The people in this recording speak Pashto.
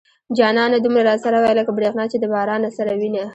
جانانه دومره را سره واي لکه بريښنا چې د بارانه سره وينه